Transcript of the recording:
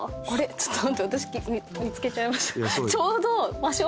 ちょっと待って私見つけちゃいました。